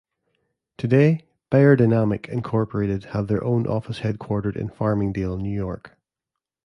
Today beyerdynamic, Incorporated have their own office headquartered in Farmingdale, New York.